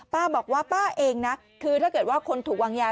ป้าบอกว่าป้าเองนะคือถ้าเกิดว่าคนถูกวางยา